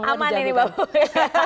aman ini mbak punggi